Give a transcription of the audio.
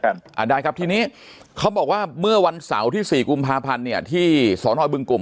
ก็ได้ครับตอนนี้เขาบอกว่าเมื่อวันเสาร์ที่๔กุมภาพันธุ์ที่สศบึงกุม